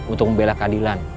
untuk membela keadilan